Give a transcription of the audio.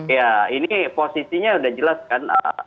ya ini posisinya sudah jelas kan